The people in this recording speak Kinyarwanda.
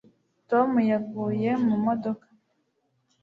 tom yaguye mu modoka